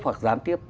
hoặc gián tiếp